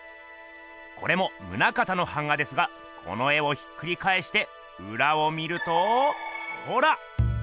これも棟方の版画ですがこの絵をひっくりかえしてうらを見るとほら！